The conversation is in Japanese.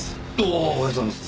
ああおはようございます。